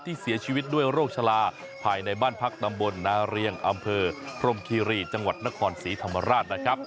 เสียชีวิตด้วยโรคชะลาภายในบ้านพักตำบลนาเรียงอำเภอพรมคีรีจังหวัดนครศรีธรรมราชนะครับ